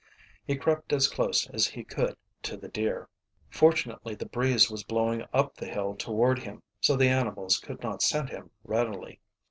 He crept as close as he could to the deer. Fortunately the breeze was blowing up the hill toward him, so the animals could not scent him readily.